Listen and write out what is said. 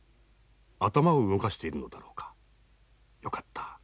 頭を動かしているのだろうか。よかった。